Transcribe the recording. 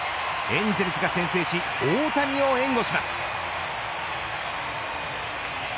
エンゼルスが先制し大谷を援護します。